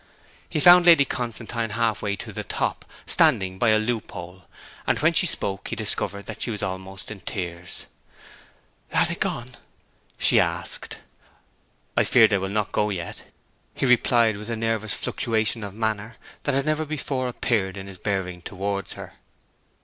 He found Lady Constantine half way to the top, standing by a loop hole; and when she spoke he discovered that she was almost in tears. 'Are they gone?' she asked. 'I fear they will not go yet,' he replied, with a nervous fluctuation of manner that had never before appeared in his bearing towards her.